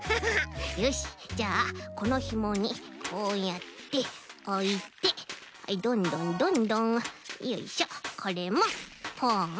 よしじゃあこのひもにこうやっておいてどんどんどんどんよいしょこれもポン。